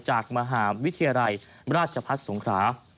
จากมหาวิทยาลัยราชพัฒน์สงครา